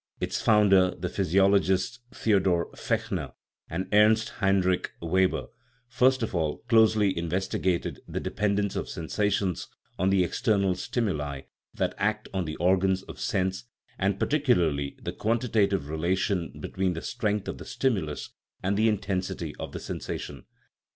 Its founders, the physiologists Theo dor Fechner and Ernst Heinrich Weber, first of all close ly investigated the dependence of sensations on the ex ternal stimuli that act on the organs of sense, and par ticularly the quantitative relation between the strength of the stimulus and the intensity of the sensation.